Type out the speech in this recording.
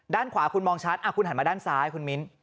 ด้านขวาคุณมองชัดคุณหันมาด้านซ้ายคุณมิ้น